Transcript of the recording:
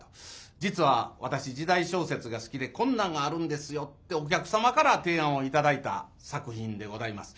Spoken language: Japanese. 「実は私時代小説が好きでこんなんがあるんですよ」ってお客様から提案を頂いた作品でございます。